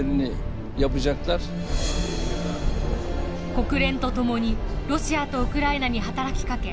国連と共にロシアとウクライナに働きかけ